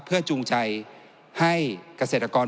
เพื่อจูงใจให้เกษตรกร